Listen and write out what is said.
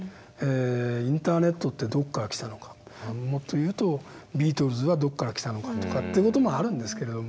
インターネットってどこから来たのかもっと言うとビートルズはどこから来たのかとかという事もあるんですけれども。